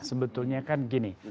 sebetulnya kan gini